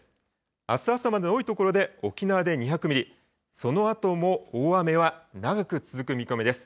あす朝までの多い所で沖縄で２００ミリ、そのあとも大雨は長く続く見込みです。